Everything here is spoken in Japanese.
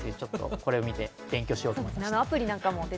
これを見て勉強しようと思いました。